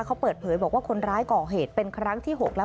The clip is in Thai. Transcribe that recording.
เขาเปิดเผยบอกว่าคนร้ายก่อเหตุเป็นครั้งที่๖แล้ว